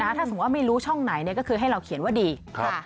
ถ้าสมมุติว่าไม่รู้ช่องไหนก็คือให้เราเขียนว่าดี